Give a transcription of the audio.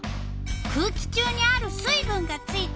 「空気中にある水分がついた」。